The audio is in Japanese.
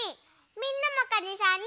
みんなもかにさんに。